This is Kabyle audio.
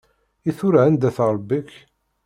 I tura anda-t Ṛebbi-k?